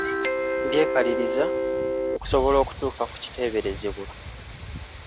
Mbyekaliriza okusobola okutuuka ku kiteeberezebwa.